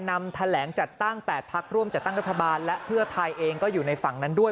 นำแถลงจัดตั้ง๘พักร่วมจัดตั้งรัฐบาลและเพื่อไทยเองก็อยู่ในฝั่งนั้นด้วย